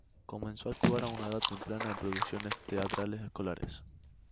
Comenzó a actuar a una edad temprana en producciones teatrales escolares.